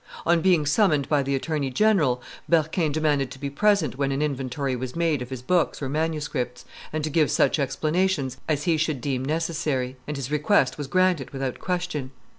On being summoned by the attorney general, Berquin demanded to be present when an inventory was made of his books or manuscripts, and to give such explanations as he should deem necessary; and his request was granted without question.